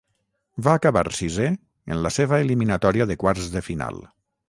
Va acabar sisè en la seva eliminatòria de quarts de final.